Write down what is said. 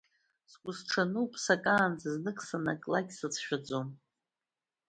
Сгәысҽануп сакаанӡа, знык санаклак, сацәшәаӡом!